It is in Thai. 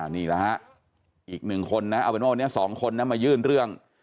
นี่แหละฮะอีกหนึ่งคนนะเอาเป็นว่าวันนี้๒คนนะมายื่นเรื่อง